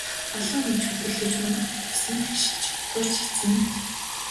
Олон хоног чөдөрлөж унах тусам харшиж турж эцнэ.